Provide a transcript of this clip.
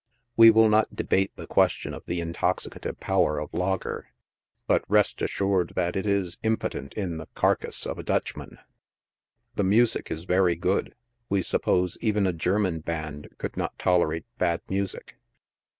We will not debate tbe question of the intoxicativo power of 1a ger, but rest assured that it is impotent in the carcase of a Butch man. The music is very good — we suppose even a German band could not tolerate bad music.